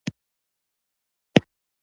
ما څو ځله شا ته کتل او په زړه کې خوشحاله وم